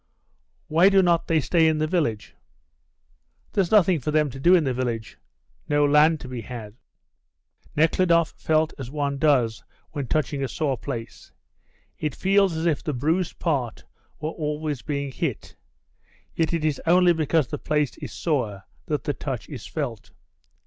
Why do not they stay in the village?" "There's nothing for them to do in the village no land to be had." Nekhludoff felt as one does when touching a sore place. It feels as if the bruised part was always being hit; yet it is only because the place is sore that the touch is felt.